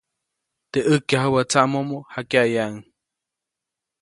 Teʼ ʼäjkyajubä tsaʼmomo, jakyaʼyaʼuŋ.